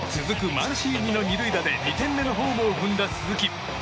マンシーニの２塁打で２点目のホームを踏んだ鈴木。